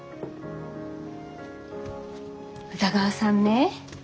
宇田川さんね